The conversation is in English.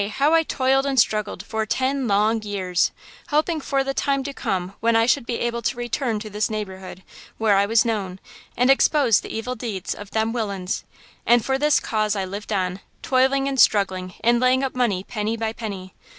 how I toiled and struggled–for–ten–long–years, hoping for the time to come when I should be able to return to this neighborhood, where I was known, and expose the evil deeds of them willains. And for this cause I lived on, toiling and struggling and laying up money penny by penny.